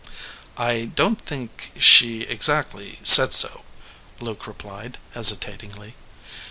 "I don t think she exactly said so," Luke replied, hesitatingly.